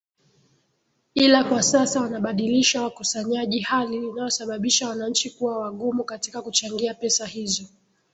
ila kwa sasa wanabadilisha wakusanyaji hali inayosababisha wananchi kuwa wagumu katika kuchangia pesa hizo